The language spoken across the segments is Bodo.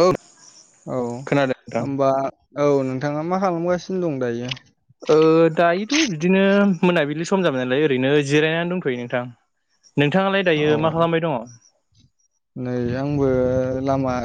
औ औ खोनादों नोंथां। होनबा औ नोंथाङा मा खालामगासिनो दं दायो ओ दायोथ' बिदिनो मोनाबिलि सम जाबाय नालाय ओरैनो जिरायनानै दंथ'यो नोंथां नोंथाङालाय दायो मा औ खालामबाय दङ? नै आंबो लामा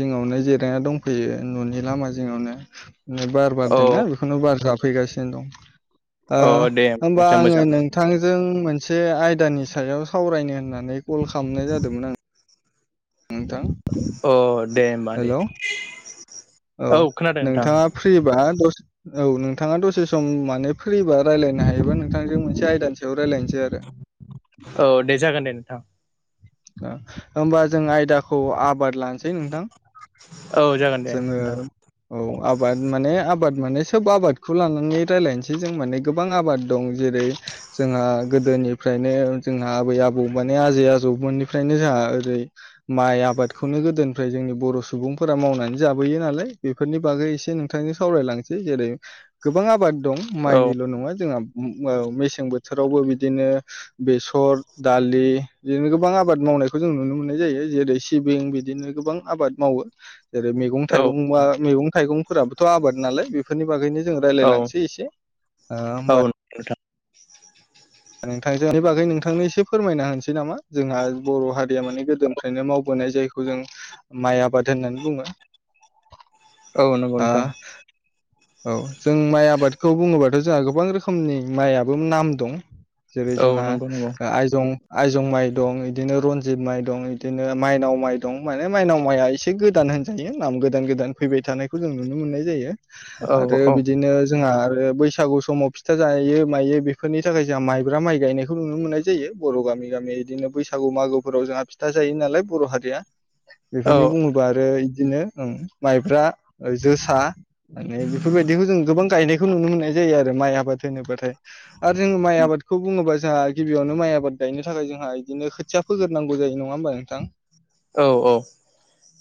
जिङावनो जिरायना दंफैयो न'नि लामा जिङावनो बार औ बारदोंना बेखौनो बार जाफैगासिनो दं ओ औ दे होमबा आदसा आङो मोजां नोंथांजों मोन मोनसे आयदानि सायाव सावरायनो होननानै कल खालामनाय जादोंमोन आं। नोंथां अ दे होनबा दे हेलौ औ खोनादों नोंथां नोंथाङा फ्रिबा दसे औ नोंथाङा दसे सम माने फ्रिबा रायलायनो हायोबा नोंथांजों मोनसे आयदानि सायाव रायलायनोसै आरो औ दे जागोन दे नोंथां होमबा जों आयदाखौ आबाद लानोसै नोंथां। औ जागोन दे जोङो नोंथां औ आबाद माने आबाद माने सोब आबादखौ लानानै रायलायनोसै जों माने गोबां आबाद दं जेरै जोंहा गोदोनिफ्राय माने जोंहा आबै आबौ माने आजै आजौमोननिफ्रायनो जोंहा ओरै माइ आबादखौनो गोदोनिफ्राय जोंनि बर' सुबुंफोरा मावनानै जाबोयो नालाय बेफोरनि बागै एसे नोंथांजों सावरायलांसै जेरै गोबां आबाद दं औ माइनिल' नङा जोंहा ओ मेसें बोथोरावबो बिदिनो बेसर दालि बिदिनो गोबां आबाद मावो। मावनायखौ जों नुनो मोननाय जायो जेरै सिबिं बिदिनो गोबां आबाद मावो। जेरै मैगं औ थाइगंआ मैगं थाइगंफोराबोथ' आबाद नालाय बेफोरनि बागैनो जों औ रायज्लाय लांनोसै एसे ओ औ होमबा नोंथां नोंथांनि बागै नोंथांनो एसे फोरमायना होनोसै नामा जोंहा बर' हारिया माने गोदोनिफ्रायनो मावबोना नाय जायखौ जों माइ आबाद होननानै बुङो। औ नंगौ ओ नोंथां औ जों माइ आबादखौ बुङोबाथ' जोंहा गोबां रोखोमनि माइआबो नाम दं। जेरै औ जोंहा नंगौ नंगौ आइजं आइजं माइ दं बिदिनो रनजित माइ दं बिदिनो माइनाव माइ दं माने माइनाव माइआ एसे गोदान होनजायो नाम गोदान गोदान फैबाय थानायखौ जों नुनो मोननाय जायो औ आरो औ बिदिनो जोंहा आरो बैसागु समाव फिथा जायो मायो बेफोरनि थाखाय जोंहा माइब्रा माइ गायनायखौ नुनो मोननाय जायो बर' गामि गामि इदिनो बैसागु मागोफोराव जोंहा फिथा जायो नालाय बर' हारिया औ बेफोरनि बुङोब्ला आरो इदिनोओ माइब्रा ओ जोसा माने बेफोरबायदिखौ जों गोबां गायनायखौ नुनो मोननाय जायो आरो माइ आबाद होनोब्लाथाय माइ आबादखौ बुं बुङोबा जोंहा गिबियावनो माइ आबाद गायनो थाखाय जोंहा इदिनो खोथिया फोग्रोनांगौ जायो नङा होमबा नोंथां? औ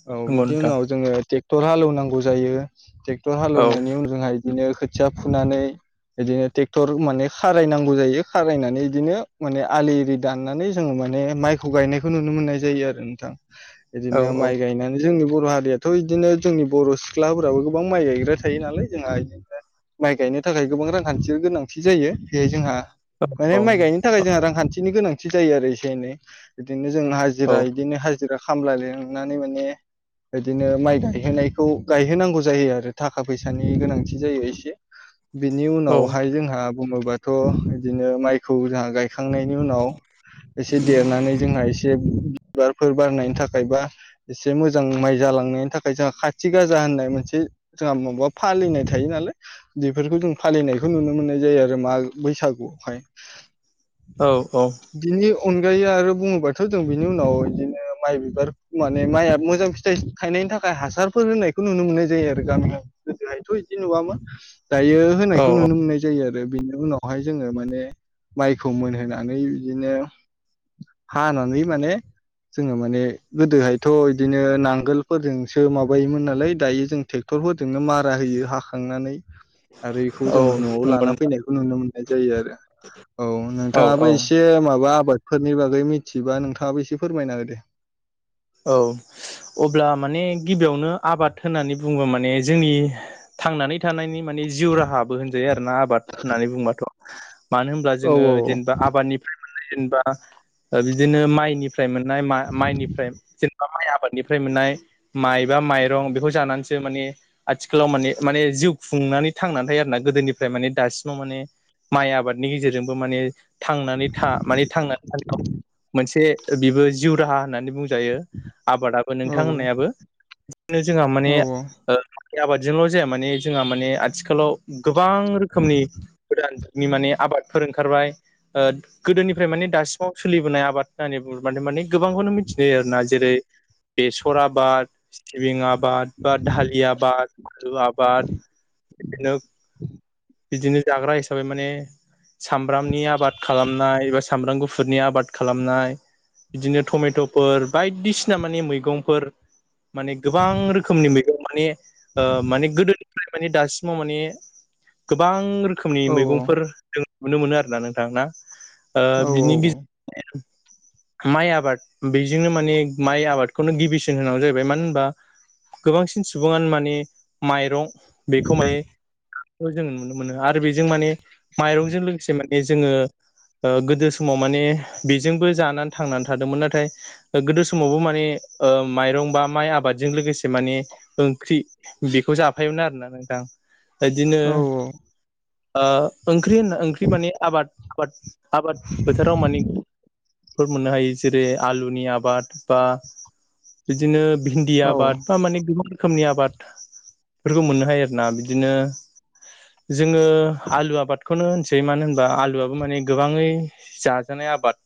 औ नंगौ बिदि नोंथां उनाव जोङो टेक ट्रेक्टर हालौव नांगौ जायो ट्रेक्टर औ हालेवनायनि उनजोंहाय बिदिनो खोथिया फुनानै बिदिनो ट्रेक्टर माने खा खारायनांगौ जायो खारायनानै बिदिनो माने आलि एरि दाननानै जोङो माने माइखौ गायनायखौ नुनो मोनो। जायो आरो नोंथां औ बिदिनो माइ गायनानै जोंनि बर' हारियाथ' इदिनो जोंनि बर' सिख्लाफोराबो गोबां माइ गायग्रा थायो नालाय जोंहा इदिनो माइ गायनो थाखाय गोबां रांखान्थि गोनांथि जायो बेहाय जोंहा माने औ माइ गायनो थाखाय जोंहा रांखान्थि बिनि गोनांथि जायो आरो एसे एनै बिदिनो जों हाजिरा औ इदिनो हा जिरा खामला लिंनानै माने इदिनो माइ गायहोनायखौ गायहोनांगौ जायो आरो थाखा फैसानि गोनांथि जायो एसे बिनि औ उनावहाय जोंहा बुङोबाथ' इदिनो माइखौ जोंहा गाय खांनायनि उनाव एसे देरनानै जोंहा एसे बिबारफोर बारनायनि थाखाय बा एसे मोजां माइ जालांनायनि थाखाय जोंहा खाथि गाजा होननाय मोनसे जोंहा माबा फालिनाय थायो नालाय बेफोरखौ जों फालिनायखौ नुनो मोननाय जायो आरो मा बैसागुहाय औ औ अनगायै आरो बुङोबाथ' जों बिनि उनाव बिदिनो माइ बिबार माने माइआ मोजां फिथाइ थायनाय बेनि थाखाय हासारफोर होनायखौ नुनो मोननाय जायो आरो गामि गोदोहायथ' बिदि नुवामोन। दायो औ होनायखौ नुनो मोननाय जायो आरो बेनि उनाव बेहाय जोङो माने माइखौ मोनहोनानै बिदिनो हानानै माने जोङो माने गोदोहायथ' बिदिनो नांगोलफोरजोंसो माबायोमोन नालाय दायो जों ट्रेक्ट रफोरजोंनो मारा होयो हाखांनानै आरो बेखौ औ जोङो न'आव नंगौ लाना नोंथां फैनायखौ नुनो मो नाय जायो आरो औ औ नोंथाङाबो औ एसे मा बा आबादफोरनि बागै मिथियोबा नोंथाङाबो एसे फोरमायना होदो। औ अब्ला माने गिबियावनो आबाद होननानै बुङो माने जोंनि थांनानै थानायनि माने जिउ राहाबो होनजायो आरो ना आबाद होननानै बुंबाथ' मानो होनब्ला औ जोङो औ जेनेबा आबादनिफ्राय मोन्नाय जेनेबा बिदिनो माइनिफ्राय फिथाइ मोननाय मा-माइनि जेनेबा माइ आबादनिफ्राय मोननाय माइबा माइरं बेखौ जानानैसो माने आथिखालाव माने माने जिउ खुंनानै थांनानै थायो आरो ना गोदोनिफ्राय माने दासिमाव माने माइ आबादनि गेजेरजोंबो माने थांनानै था माने थांनानै थानायाव मोनसे बेबो जिउ राहा होननानै बुं जायो आबादाबो औ नोंथां होननायाबो बिदिनो जोंहा माने औ आबादजोंल' जाया माने जोंहा माने आथिखालाव गोबां रोखोमनि गोदान नि माने आबादफोर ओंखारबाय गोदोनिफ्राय माने दासिमाव सोलिबोनाय आबाद होननानै बुंओ माने माने गोबां मिथानाय जायोना जेरै बेसर आबाद सिबिं आ बाद बा धालि आबाद आलु आबाद बिदिनो बिदिनो जाग्रा हिसाबै माने सामब्रामनि आबाद खालामनाय एबा सामब्राम गुफुरनि आबाद खालामनाय बिदिनो टमेट'फोर बायदिसिना माने मैगंफोर माने गोबां रोखोमनि मैगं माने माने गोदोनिफ्राय माने दासिमाव माने गोबां रोखोमनि औ मैगंफोर जों नुनो मोनो आरोना नोंथां ना औ बिनि गे माइ आबाद बेजोंनो माने माइ आबादखौनो गिबिसिन होनांगौ जाहैबाय मानो होनबा गोबांसिन सुबुङानो माने माइरं बेखौ माने जोङो नुनो मोनो आरो बेजों माने माइरंजों लोगोसे माने जोङो ओ गोदो समाव माने बेजोंबो जानानै थांनानै थादोंमोन नाथाय गोदो समावबो माने ओ माइरं बा माइ आबादजों लोगोसे माने ओंख्रि बेखौ जाफायोमोन आरोना नोंथां [inaudible] बिदिनो ओ ओंख्रि होनना ओंख्रि माने आबाद आबाद आबाद फोथोराव माने फोर मोननो हायो जेरै आलुनि आबाद बा बिदिनो भिन्दि औ आबाद बा माने गोबां रोखोमनि आबादफोरखौ मोननो हायो आरो ना बिदिनो जोङो आलु आबाद बेखौनो होनसै मानो होनबा आलुआबो माने गोबाङै जाजानाय आबाद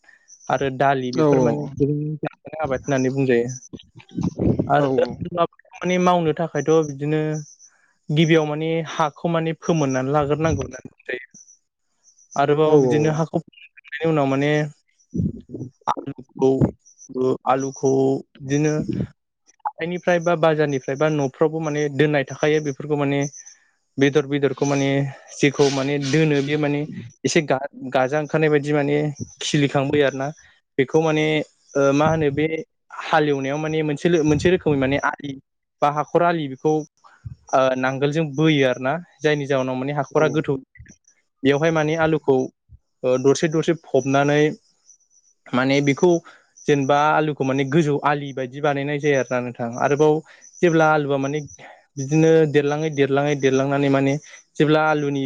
आरो दालि औ बेफोर माने जाजानाय आबाद होननानै बुंजायो औ आरो माने खामानि मावनो थाखायथ' बिदिनो गिबियाव माने हा हाखौ माने फोमोननानै लाग्रोनांगौ होननानै बुंजायो आरोबाव बिदिनो हाखौ बिनि उनाव माने आलुखौ आलुखौ बिदिनो हाथाइनिफ्राय बा बाजारनिफ्राय बा न'फ्रावबो माने दोननाय थाखायो बेफोरखौ माने बेदर बेदरखौ माने जेखौ माने दोनो बेयो माने एसे गा-गाजा ओंखारनाय बाय दि माने खिलिखां बोयो आरो ना बेखौ माने ओ मा होनो बे हालएवनायाव माने मोनसे मोनसे रोखोमनि माने आदि बा हाखर आलि बेखौ ओ नांगोलजों बोयो आ आर ना जायनि जाहोनाव माने हाखरा गोथौ बेयावहाय माने आलुखौ ओ दरसे दरसे फबनानै माने बेखौ जेनेबा आलुखौ माने गोजौ आलिबादि बानायनाय जायों आरो नों थां आरोबाव जेब्ला आलुआ माने बिदिनो देरलाङै देरलाङै देरलांनानै माने जेब्ला आलुनि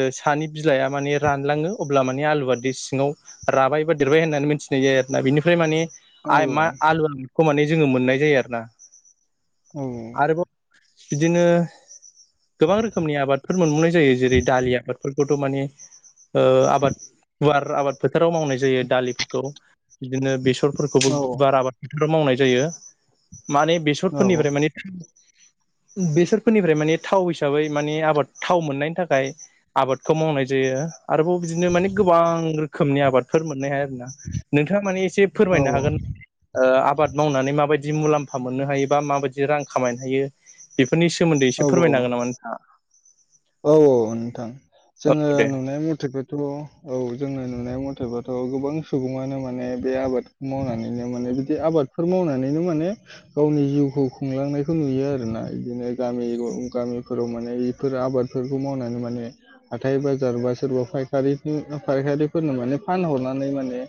ओ सानि बिलाइआ माने रानलाङो अब्ला माने आलु दै सिङाव राबाय बा देरबाय होननानै मिथिनाय जायो आरो ना बिनिफ्राय माने आयमा आलु आखौ माने जोङो मोननाय जायो आरो ना औ बिदिनो गोबां रोखोमनि आबादफोर मोनबावनाय जायो जेरै दालि आबाद फोरखौथ' माने ओ आबाद गुवार आबाद फोथाराव मावनाय जायो दालिफोरखौ बिदिनो बेसरफोरखौबो बाराबा ट्रेक्ट'राव मावनाय जायो। माने बेसरफोरनिफ्राय माने बेसरफोरनिफ्राय माने थावै सो हिसाबै माने आबाद थाव मोननायनि थाखाय आबादखौ मावनाय जायो। आरोबाव बिदिनो माने गोबां रोखोमनि आबादफोर मोननाय हाया नोंथां नोंथाङा माने एसे औ फोरमायनो हागोन ओ आबाद मावनानै मा बाय दि मुलाम्फा मोननो हायो बा माबायदि रां खामायनो हायो बेफोरनि सोमोन्दै औ एसे फोरमायनो औ हागोन नामा नों औ औ नोंथां जोंङो औ दे नुनाय मथेबाथ औ जोंङो नुनाय मथेबाथ' गोबां सुबुङानो माने बे आबादखौ मावनानैनो माने बिदि आबाद आबादफोर मावनानैनो माने गावनि जिउखौ खुलंनायखौ नुयो आरोना बिदिनो गामि गामिफोराव माने बेफोर आबादफोरखौ मावनानै माने हाथाइ बाजार बा सोरबा फायखारि-फायखारिफोरनो माने फानहरनानै माने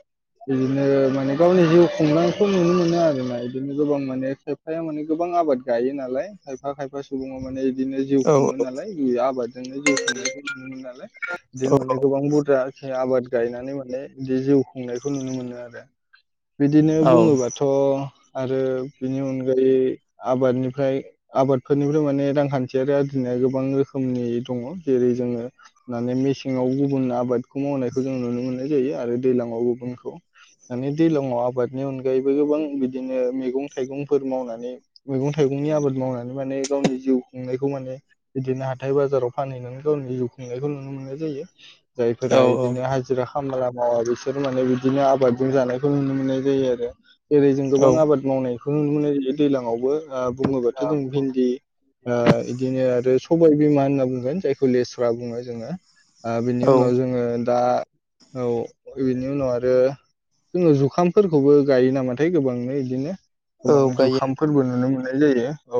बिदिनो माने गावनि जिउ खुंनायखौ नुनो मोनो आरो ना बिदिनो गोबां माने खायफाया माने गोबां आबाद गायो नालाय खायफा खायफा सुबङाव माने बिदिनो जिउ औ खुंङो नालाय आबादजोंनो जिउ खुंनायखौ नुनो मोनो नालाय बिदिनो औ माने गोबां बुरजा आबाद गायनानै माने बि जिउ खुंनायखौ नुनो मोनो आरो। बिदिनो औ बुङोबाथ' आरो बिनि अनगायै आबादनिफ्राय आबादफोरनिफ्राय माने रांखान्थियारि आरजिनाय गोबां रो खोमनि दङ जेरै जोंङो माने मेसेंङाव गुबुन आबादखौ मावनायखौ जों नुनो मो ननाय जायो आरो दैज्लांआव गुबुनखौ माने दैज्लांङआव आबादनि अनगायैबो गोबां बिदिनो मैगं थाइगंफोर मावनानै मैगं थाइ गंनि आबाद मावनानै माने गावनि जिउ खुंनायखौ माने बिदिनो हा थाइ बाजाराव फानहैनानै गावनि जिउ खुंनायखौ नुनो मोननाय जायो जायफोरा बिदिनो औ हाजिरा खामला अ बिसोर माने बिदिनो आबादजों जानायखौ नुनो मोननाय जायो आरो जेरै जों गोबां आबाद मावनाय खौनुनो मोननाय जायो दैज्लांआवबो बुङोब्लाथ' जों भिन्दि ओ बिदिनो आरो स बाय बिमा होनना बुंगोन जायखौ लेस्रा बुङो जोंङो बिनि औ उनाव जोंङो दा औ इ बिनि उनाव आरो जोंङो जुखामफोरखौबो गायो नामाथाय गोबांनो इदिनो औ गोबां गायो जुखामफोरबो नुनो मोननाय जायो औ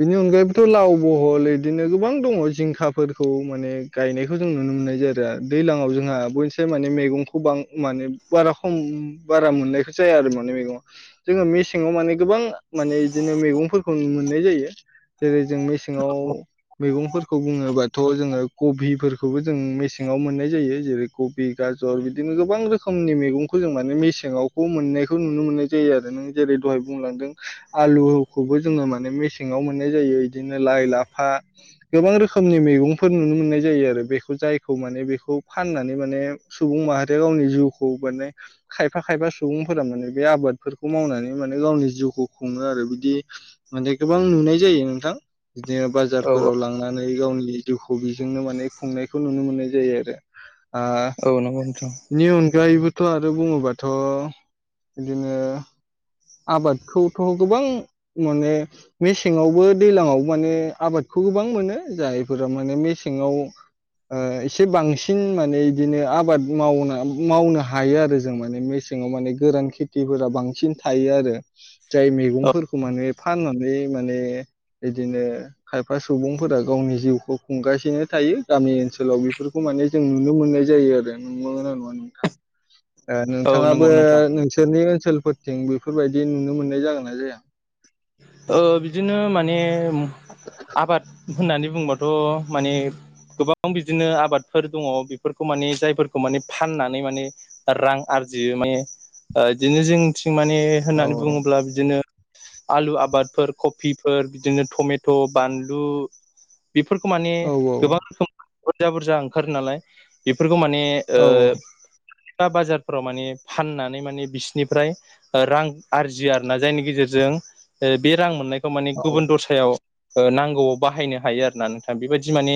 बेनि अनगायैबोथ' लाव ब बल बिदिनो गोबां दङ जिंखाफोरखौ माने गायनायखौ जों नुनो मोननाय ज आरो दैज्लांआव जोंहा बयनिसाय माने मैगंखौ बां माने बारा खम बारा मोननायखौ जाया आरो माने मैगंङा जोंङो मेसेंङाव माने गोबां माने बिदिनो मैगंफोरखौ मोननाय जायो जेरै जों मे सेङाव मैगंफोरखौ बुङोबाथ' जोंङो कबिफोरखौबो जों मेसेङाव मोननाय जायो जेरै कबि गाजर बिदिनो गोबां रोखोमनि मे गंखौ माने मेसेंआव मोननायखौ नुनो मोननाय जायो आरो नों जेरै दहाय बुंलांदों आलु खौबो जोंङो माने मेसेङाव मोननाय जायो बिदिनो लाय लाफा गोबां रोखनि मैंगंफोर नुनो मोननाय जायो आरो बेखौ जायखौ माने बेखौ फाननानै माने सुबुं माहारिया गावनि जिउखौ माने खायफा खायफा सुबुंफोरा माने बे आबाद बेफोरखौ मावनानै माने गावनि जिउखौ खुङो आरो बिदि माने गोबां नुनाय जायो नोंथां बिदिनो औ औ बाजारफोराव लांनानै गावनि जिउ बिजोंनो माने खुंनायखौ नुनो मोननाय जायो आरो आ औ नंगौ नोंथां बिनि अनगायैबो थ' आरो बुङोबाथ' बिदिनो आबादखौथ' गोबां माने मेसेङावबो दैज्लांआवबो माने आबादखौ गोबां मोनो जायफोरा माने मेसेंआव एसे बांसिन माने इदिनो आबाद मावना मावनो हायो आरो जों माने मे सेंआव माने गोरान खेथिफोरा बांसिन थायो आरो जाय मैगंफोरखौ माने फाननानै मा ने बिदिनो खायफा सुबुंफोरा गावनि जिउखौ खुंगासिनो थायो गामि ओनसोलाव लाव बेफोरखौ माने जों नुनो मोननाय जायो आरो नंगौना नङा नोंथां औ औ नोंथाङाबो नंगौ नोंथां नोंसोरनि ओनसोलफोरथिं बेफोरबायदि नुनो मोननाय जागोन ना जाया ओ बिदिनो माने आबाद होननानै बुंबाथ' माने गोबां बिदिनो आबादफोर दङ बेफोरखौ माने जायफोरखौ माने फाननानै माने रां आ रजियो माने इदिनो जोंनिथिं मने औ होननानै बुङोब्ला बिदिनो आलु आ बादफोर कबिफोर बिदिनो टमेट' बानलु बेफोरखौ माने गोबां रोखोम बुरजा बुरजा ओंखारो नालाय बेफोर खौ माने औ ओ बाजारफोराव माने फाननानै माने बिसोरनिफ्राय रां आरजियो आरोना जायनि गेजेरजों जों बे रां मोननायखौ माने औ गुबुन दरसायाव नांगौआव बाहायनो हायो आरो ना नोंथां बेबायदि माने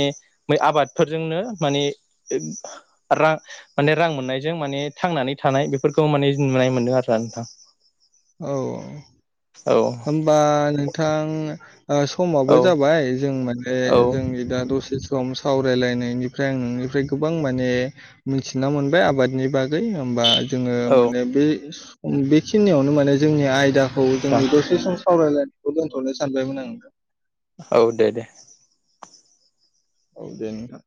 बै आबादफोरजोंनो माने रां माने रां मोननायजों माने थांनानै थानाय बेफोरखौ माने नुनाय मोनदों आरो आं नोंथां औ औ होनबा नोंथां समाबो जाबाय जों माने औ जोंनि दा दसे सम सावरायलायनायनिफ्राय आं नोंनिफ्राय गोबां माने मिथिना मोनबाय आबादनि बागै होमबा जोङो औ माने बे बेखिनियावनो माने जोंनि आयदाखौ नोंथां जोंनि सम सावरायलायनायखौ दोनथ'नो सानबायमोन आं औ दे दे औ दे नोंथां